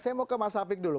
saya mau ke mas hafik dulu